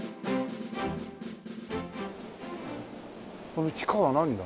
この地下はなんだ？